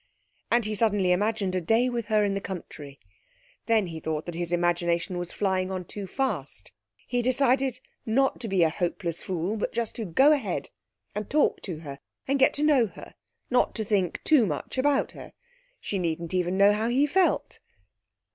And he suddenly imagined a day with her in the country.... Then he thought that his imagination was flying on far too fast. He decided not to be a hopeless fool, but just to go ahead, and talk to her, and get to know her; not to think too much about her. She needn't even know how he felt.